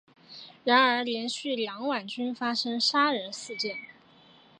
然而连续两晚均发生杀人事件。